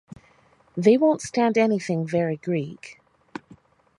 They won't stand anything very Greek.